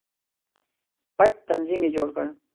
پټ تنظیم یې جوړ کړ.